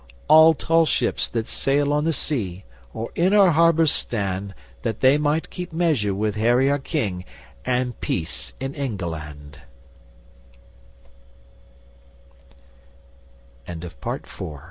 All tall ships that sail on the sea, or in our harbours stand, That they may keep measure with Harry our King and peace in Engel